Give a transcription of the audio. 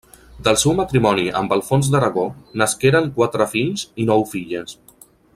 Del seu matrimoni amb Alfons d’Aragó nasqueren quatre fills i nou filles.